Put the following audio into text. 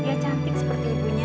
dia cantik seperti ibunya